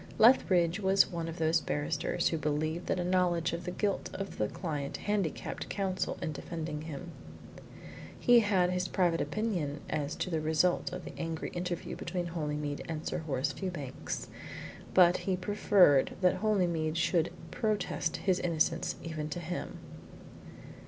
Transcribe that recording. Lethbridge was one of those barristers who believe that a knowledge of the guilt of a client handicapped Counsel in defending him. He had his private opinion as to the result of the angry interview between Holymead and Sir Horace Fewbanks, but he preferred that Holymead should protest his innocence even to him.